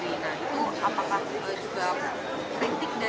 ritik dari ibu supaya mbak puan lebih tegas mengawal revisi revisi undang undang di dpr